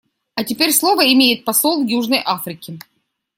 А теперь слово имеет посол Южной Африки.